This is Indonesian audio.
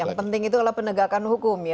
yang penting itu adalah penegakan hukum ya